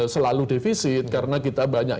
selalu defisit karena kita banyak